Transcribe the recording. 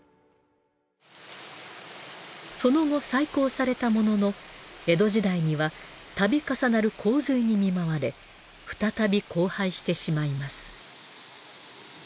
その後再興されたものの江戸時代にはたび重なる洪水に見舞われ再び荒廃してしまいます。